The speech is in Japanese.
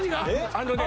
あのね